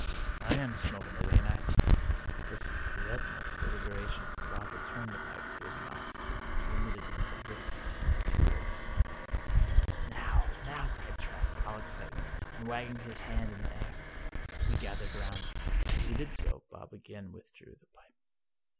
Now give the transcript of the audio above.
" I am smoking it, ain't I ?" With the utmost deliberation Bob returned the pipe to his mouth. He emitted another whiff or two of smoke. " Now — ^now !" cried Tress, all excitement, and wagging his hand in the air. We gathered round. As we did so Bob again withdrew the pipe.